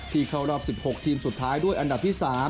เข้ารอบ๑๖ทีมสุดท้ายด้วยอันดับที่๓